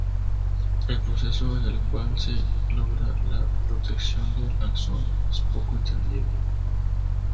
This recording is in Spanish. El proceso en el cual se logra la protección del axón es poco entendido.